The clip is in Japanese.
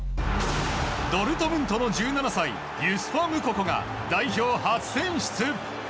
ドルトムントの１７歳ユスファ・ムココが代表初選出。